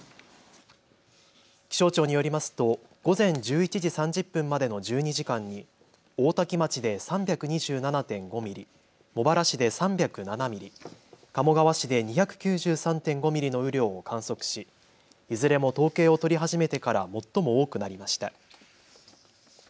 気象庁によりますと午前１１時３０分までの１２時間に大多喜町で３２７．５ミリ、茂原市で３０７ミリ、鴨川市で２９３．５ミリの雨量を観測しいずれも統計を取り始めてから最も多くなりました。